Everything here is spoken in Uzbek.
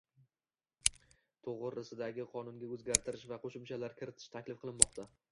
to'g'risidagi qonunga o'zgartirish va qo'shimchalar kiritish taklif qilinmoqda